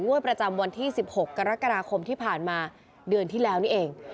งวดประจำวันที่๑๖กรกฎาคมที่ผ่านมาเดือนที่แล้วนี่เอง